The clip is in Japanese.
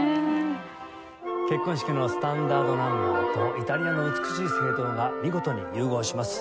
結婚式のスタンダードナンバーとイタリアの美しい聖堂が見事に融合します。